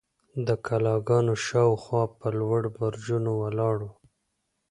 د کلاګانو شاوخوا به لوړ برجونه ولاړ وو.